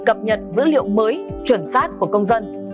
cập nhật dữ liệu mới chuẩn xác của công dân